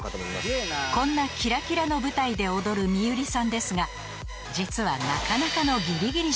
［こんなキラキラの舞台で踊るＭＩＹＵＲＩさんですが実はなかなかの］